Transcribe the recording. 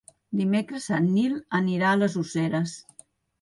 Dimecres en Nil anirà a les Useres.